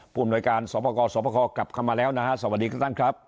ผู้โบยการสมพกสมพกกลับมาแล้วนะฮะสวัสดีค่ะท่านครับ